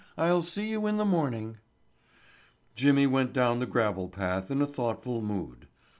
I'll see you in the morning." Jimmy went down the gravel path in a thoughtful mood.